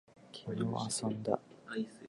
昨日遊んだ